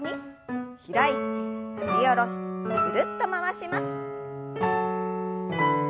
開いて振り下ろしてぐるっと回します。